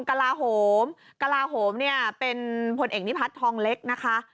กระลาโหมเป็นผลเอกนิพัทธองเล็กนะคะ